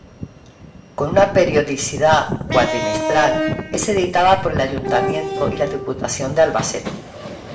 Con una periodicidad cuatrimestral, es editada por el Ayuntamiento y la Diputación de Albacete.